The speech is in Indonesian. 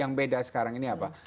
yang beda sekarang ini apa